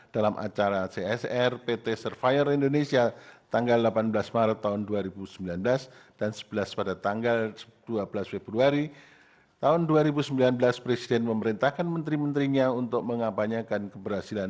dalam adanya pendamping desa